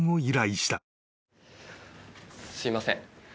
すいません。